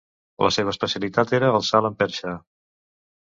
La seva especialitat era el salt amb perxa.